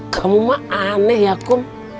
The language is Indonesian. kamu mah aneh ya kum